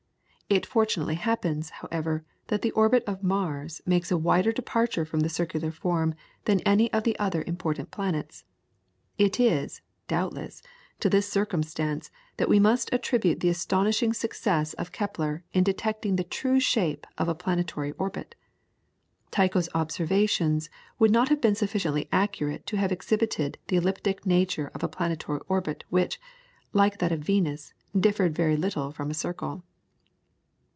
It fortunately happens, however, that the orbit of Mars makes a wider departure from the circular form than any of the other important planets. It is, doubtless, to this circumstance that we must attribute the astonishing success of Kepler in detecting the true shape of a planetary orbit. Tycho's observations would not have been sufficiently accurate to have exhibited the elliptic nature of a planetary orbit which, like that of Venus, differed very little from a circle.